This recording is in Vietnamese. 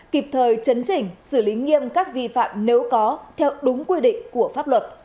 kịp thời chấn chỉnh xử lý nghiêm các vi phạm nếu có theo đúng quy định của pháp luật